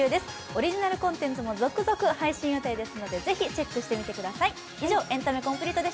オリジナルコンテンツも続々配信予定ですのでぜひチェックしてみてください。